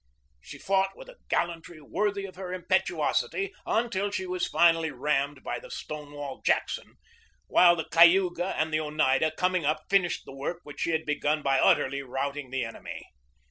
She fought with a gallantry worthy of her impetuosity, until she was finally rammed by the Stonewall Jackson, while the Cayuga and the Oneida coming up finished the work which she had begun by utterly routing the enemy.